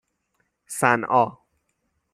صنعا